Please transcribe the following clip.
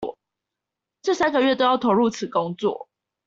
這三個月都要投入此工作